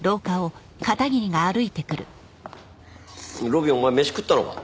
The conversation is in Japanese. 路敏お前飯食ったのか？